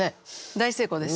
大成功です。